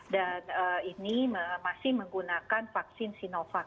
ini masih menggunakan vaksin sinovac